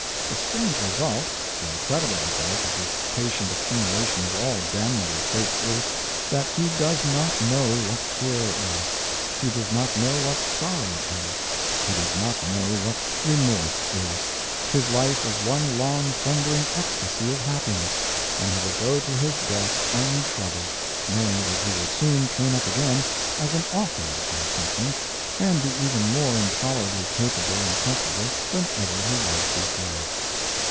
The strange result, the incredible result, of this patient accumulation of all damnable traits is, that he does not know what care is, he does not know what sorrow is, he does not know what remorse is, his life is one long thundering ecstasy of happiness, and he will go to his death untroubled, knowing that he will soon turn up again as an author or something, and be even more intolerably capable and comfortable than ever he was before.